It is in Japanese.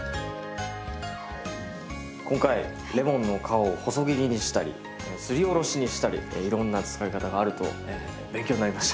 今回レモンの皮を細切りにしたりすりおろしにしたりいろんな使い方があると勉強になりました。